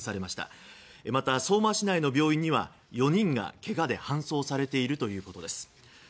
また、相馬市内の病院には４人が、けがで搬送されているということです。